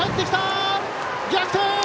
逆転！